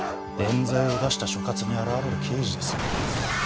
冤罪を出した所轄に現れる刑事ですよ。